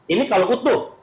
ini kalau utuh